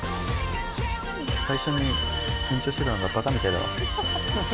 最初に緊張してたのがバカみたいだなって。